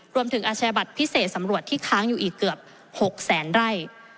อาชญาบัตรพิเศษสำรวจที่ค้างอยู่อีกเกือบ๖แสนไร่